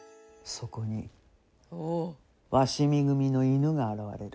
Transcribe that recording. そこに鷲見組の犬が現れる。